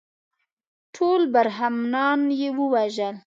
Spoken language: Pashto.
ټول برهمنان یې ووژل.